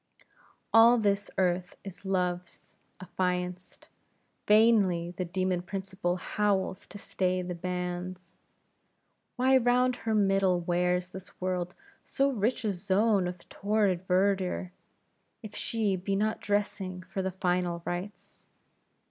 All this Earth is Love's affianced; vainly the demon Principle howls to stay the banns. Why round her middle wears this world so rich a zone of torrid verdure, if she be not dressing for the final rites?